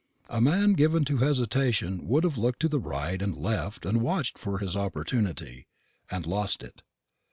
A man given to hesitation would have looked to the right and the left and watched for his opportunity and lost it.